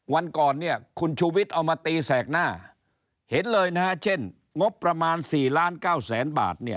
วันก่อนคุณชูวิทย์เอามาตีแสกหน้าเห็นเลยนะเช่นงบประมาณ๔๙๐๐๐๐๐บาท